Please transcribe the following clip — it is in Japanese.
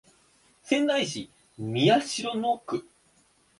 仙台市宮城野区